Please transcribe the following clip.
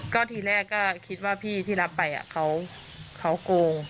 ก็ทีแรกก็คิดว่าพี่ที่รับไปเขาโกง